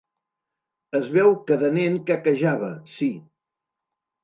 Es veu que de nen quequejava, sí.